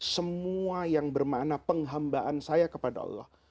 semua yang bermakna penghambaan saya kepada allah